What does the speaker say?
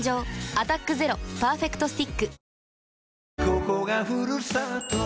「アタックＺＥＲＯパーフェクトスティック」